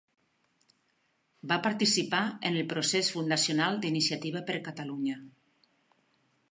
Va participar en el procés fundacional d'Iniciativa per Catalunya.